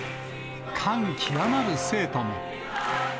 感極まる生徒も。